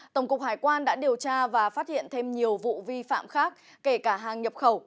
tổng cục hải quan đã điều tra và phát hiện thêm nhiều vụ vi phạm khác kể cả hàng nhập khẩu